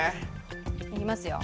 いきますよ。